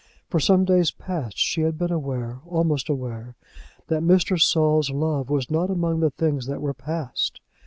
For some days past she had been aware, almost aware, that Mr. Saul's love was not among the things that were past.